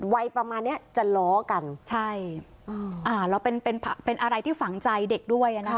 วัยประมาณเนี้ยจะล้อกันใช่อ่าแล้วเป็นเป็นอะไรที่ฝังใจเด็กด้วยอ่ะนะคะ